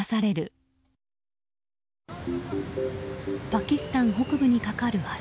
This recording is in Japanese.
パキスタン北部に架かる橋。